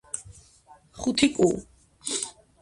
ხუთი კუ.